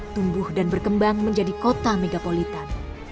tumbuh dan berkembang menjadi kota megapolitan